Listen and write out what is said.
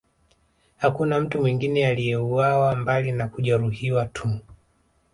Hakuna mtu mwingine aliyeuawa mbali na kujeruhiwa tu